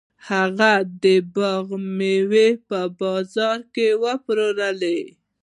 هغه د باغ میوه په بازار کې وپلورله.